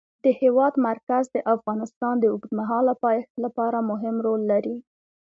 د هېواد مرکز د افغانستان د اوږدمهاله پایښت لپاره مهم رول لري.